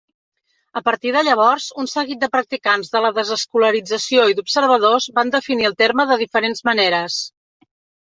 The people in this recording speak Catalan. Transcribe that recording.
A partir de llavors, un seguit de practicants de la desescolarització i d'observadors van definir el terme de diferents maneres.